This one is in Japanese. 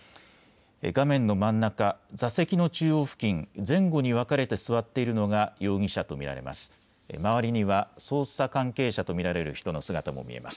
画面の真ん中、座席の中央付近、前後に分かれて座っているのが容疑者と見られます。